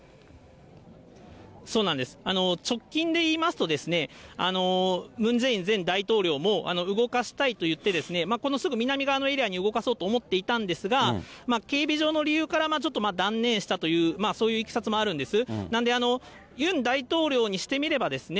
直近で言いますと、ムン・ジェイン前大統領も、動かしたいといって、このすぐ南側のエリアに動かそうと思っていたんですが、警備上の理由から、ちょっと断念したという、そういういきさつもあるんです。